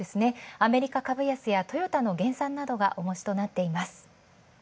アメリカ株安やトヨタの減産などが重石になっています。